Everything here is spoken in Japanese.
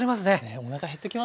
おなか減ってきますね。